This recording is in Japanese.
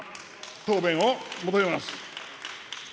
答弁を求めます。